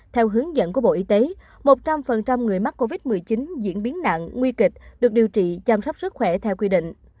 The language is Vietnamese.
theo hướng dẫn của bộ y tế một trăm linh người mắc covid một mươi chín diễn biến nặng nguy kịch được điều trị chăm sóc sức khỏe theo quy định